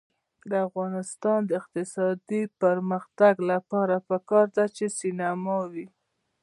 د افغانستان د اقتصادي پرمختګ لپاره پکار ده چې سینما وي.